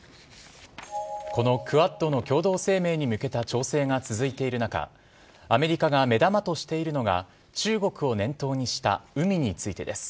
このクアッドの共同声明に向けた調整が続いている中、アメリカが目玉としているのが、中国を念頭にした海についてです。